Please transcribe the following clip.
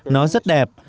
nó rất đẹp